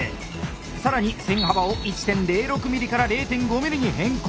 更に線幅を１．０６ｍｍから０．５ｍｍに変更。